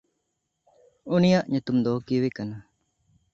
ᱩᱱᱤᱭᱟᱜ ᱧᱩᱛᱩᱢ ᱫᱚ ᱠᱤᱣᱮ ᱠᱟᱱᱟ᱾